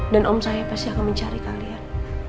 dan om saya pasti akan mencari kalian